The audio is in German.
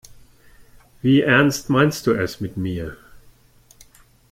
Wie ernst meinst du es mit mir?